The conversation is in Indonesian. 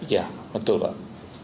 ya betul pak